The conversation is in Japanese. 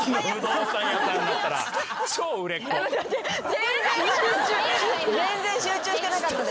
全然集中してなかった。